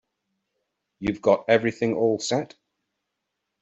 You've got everything all set?